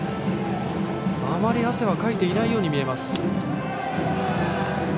あまり汗はかいていないように見えます。